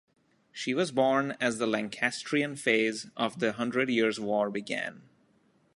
She was born as the Lancastrian phase of the Hundred Years War began.